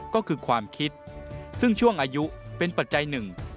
ก็คือความคิดซึ่งช่วงอายุเป็นปัจจัยหนึ่ง